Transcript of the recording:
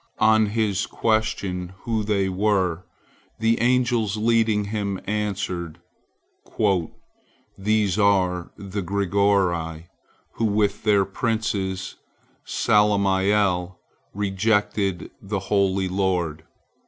On his question who they were, the angels leading him answered, "These are the Grigori, who with their prince Salamiel rejected the holy Lord."